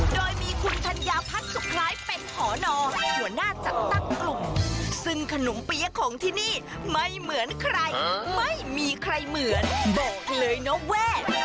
โดยมีคุณธัญญาพัฒน์สุขคล้ายเป็นหอนอหัวหน้าจัดตั้งกลุ่มซึ่งขนมเปี๊ยะของที่นี่ไม่เหมือนใครไม่มีใครเหมือนบอกเลยนะว่า